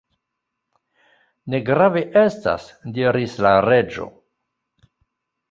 "Ne grave estas," diris la Reĝo.